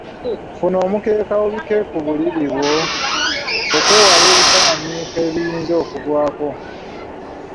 Funa omukeeka obikke ku buliri bwo okwewala ebisaaniiko ebiyinza okugwako.